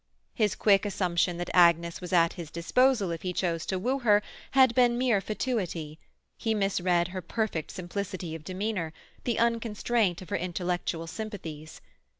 His quick assumption that Agnes was at his disposal if he chose to woo her had been mere fatuity; he misread her perfect simplicity of demeanour, the unconstraint of her intellectual sympathies.